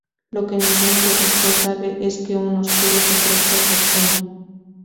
Lo que ninguno de los dos sabe, es que un oscuro secreto los une.